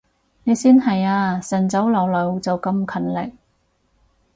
你先係啊，晨早流流就咁勤力